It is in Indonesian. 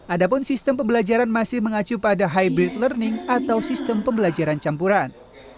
adapun sistem pembelajaran masih mengacu pada hybrid learning atau sistem pembelajaran campuran